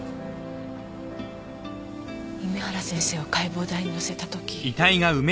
弓原先生を解剖台にのせた時。